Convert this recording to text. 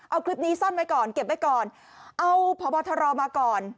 เอาคลิปนี้ซ่อนไว้ก่อนเก็บไว้ก่อนเอาพบทรมาก่อน